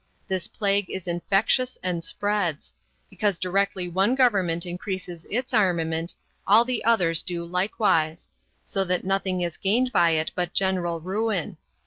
This plague is infectious and spreads, because directly one government increases its armament, all the others do likewise. So that nothing is gained by it but general ruin.